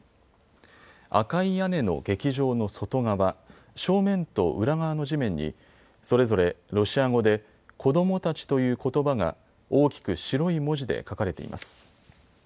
赤い屋根の劇場の外側、正面と裏側の地面にそれぞれロシア語で子どもたちということばが大きく白い文字で書かれています。